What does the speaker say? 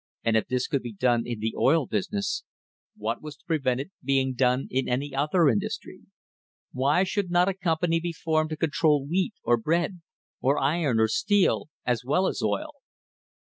" And if this could be done in the oil business, what was to prevent its being done in any other industry? Why should not a company be formed to control wheat or beef or iron or steel, as well as oil?